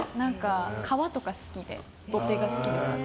川とか好きで、土手が好きです。